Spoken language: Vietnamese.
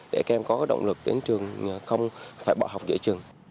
để các em có động lực đến trường không phải bỏ học giữa trường